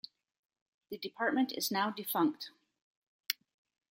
The department is now defunct.